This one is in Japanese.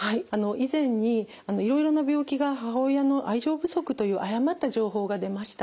以前にいろいろな病気が母親の愛情不足という誤った情報が出ました。